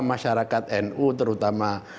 masyarakat nu terutama